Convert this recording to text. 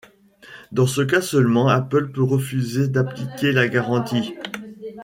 Dans ce cas seulement, Apple peut refuser d'appliquer la garantie.